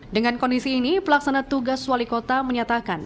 dengan kondisi ini pelaksana tugas wali kota menyatakan